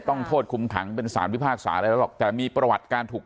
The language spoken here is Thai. ต้องโทษคุมขังเป็นสารพิพากษาอะไรแล้วหรอกแต่มีประวัติการถูก